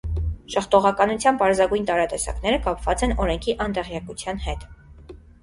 Ժխտողականության պարզագույն տարատեսակները կապված են օրենքի անտեղյակության հետ։